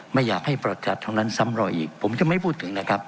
ไม่อยากให้ประจัดทั้งนั้นซ้ำรอยอีกผมจะไม่พูดถึงนะครับ